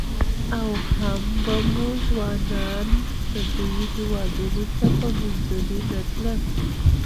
او هم به مو ځوانان پرديو هيوادنو ته په مزدورۍ نه تلى.